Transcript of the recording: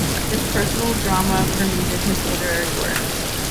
His personal drama permeated his literary works.